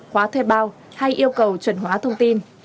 khóa thuê bao hay yêu cầu chuẩn hóa thông tin